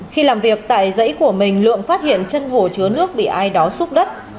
khi làm việc tại dãy của mình lượng phát hiện chân hồ chứa nước bị ai đó xúc đất